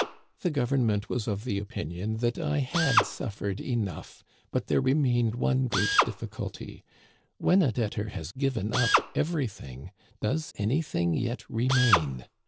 The Government was of the opinion that I had suffered enough, but there remained one great difficulty — when a debtor has given up everything, does anything yet re main